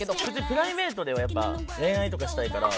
プライベートではやっぱ恋愛とかしたいから。